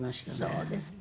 そうですか。